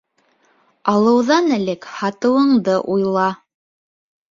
Алыуҙан элек һатыуынды уйла.